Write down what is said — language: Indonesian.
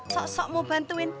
sok sok mau bantuin